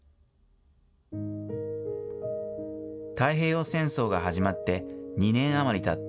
太平洋戦争が始まって２年余りたった